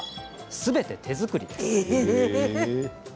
すべて手作りです。